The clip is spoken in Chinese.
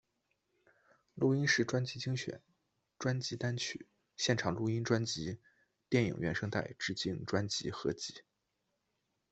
录音室专辑精选专辑单曲现场录音专辑电影原声带致敬专辑合辑